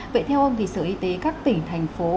vậy theo ông thì sở y tế các tỉnh thành phố